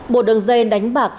một đường dây đánh bạc